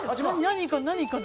何か何か。